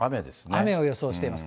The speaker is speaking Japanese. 雨を予想しています。